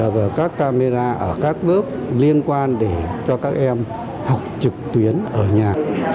rồi các camera ở các lớp liên quan để cho các em học trực tuyến ở nhà